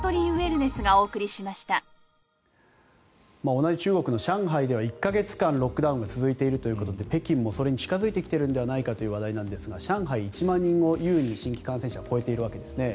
同じ中国の上海では１か月間ロックダウンが続いているということで北京もそれに近付いてきているのではないかという話題なんですが上海、１万人を優に新規感染者は超えているんですね。